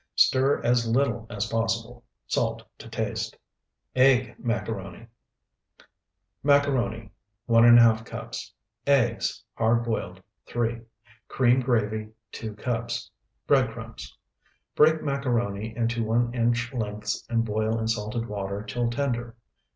Stir as little as possible. Salt to taste. EGG MACARONI Macaroni, 1½ cups. Eggs, hard boiled, 3. Cream gravy, 2 cups. Bread crumbs. Break macaroni into one inch lengths and boil in salted water till tender.